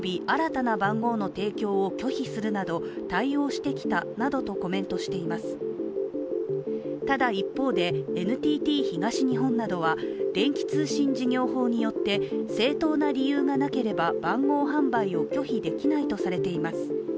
警察によりますとアシストライズは、ＮＴＴ東日本から、ただ一方で、ＮＴＴ東日本などは電気通信事業法によって正当な理由がなければ番号販売を拒否できないとされています。